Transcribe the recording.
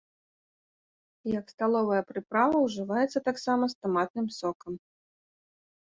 Як сталовая прыправа ўжываецца таксама з таматным сокам.